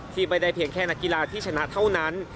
ที่ไม่ได้เพียงแค่นักกีฬาที่ชนะเท่านั้น